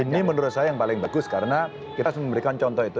ini menurut saya yang paling bagus karena kita harus memberikan contoh itu